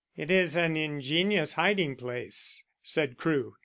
"It's an ingenious hiding place," said Crewe.